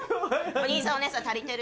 お兄さんお姉さん足りてる？